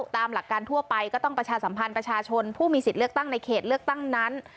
ตามหลักการทั่วไปก็ต้องประชาสัมพันธ์ประชาชนผู้มีสิทธิ์เลือกตั้งในเขตเลือกตั้งนั้น